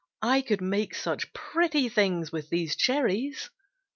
I could make such pretty things with these cherries."